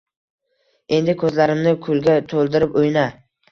Endi ko`zlarimni kulga to`ldirib o`yna